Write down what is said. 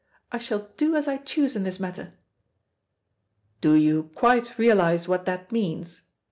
I shall do as I choose in this matter." "Do you quite realise what that means?"